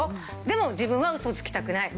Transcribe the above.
でも自分はウソをつきたくない。